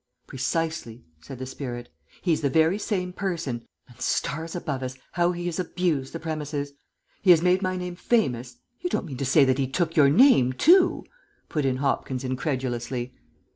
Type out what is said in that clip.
"Precisely," said the spirit. "He's the very same person, and, stars above us, how he has abused the premises! He has made my name famous " "You don't mean to say that he took your name too?" put in Hopkins incredulously.